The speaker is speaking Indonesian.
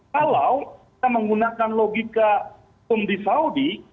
kalau kita menggunakan logika umdi saudi